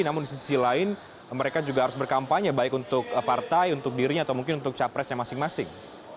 namun di sisi lain mereka juga harus berkampanye baik untuk partai untuk dirinya atau mungkin untuk capresnya masing masing